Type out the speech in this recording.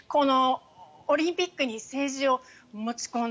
オリンピックに政治を持ち込んだ。